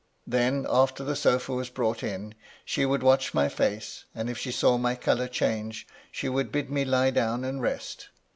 Then, after the sofa was brought in, she would watch my face, and if she saw my colour change, she would bid me lie down and rest.